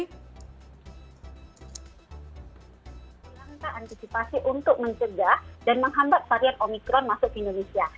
langkah antisipasi untuk mencegah dan menghambat varian omikron masuk ke indonesia